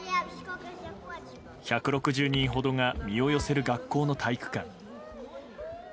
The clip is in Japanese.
１６０人ほどが身を寄せる学校の体育館。